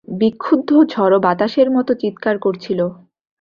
বিক্ষুব্ধ ঝড়ো বাতাসের মতো চিৎকার করছিল।